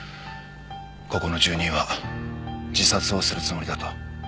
ここの住人は自殺をするつもりだと。